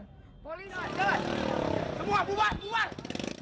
polis jangan semua buang